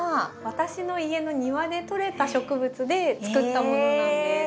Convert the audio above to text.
私の家の庭でとれた植物で作ったものなんです。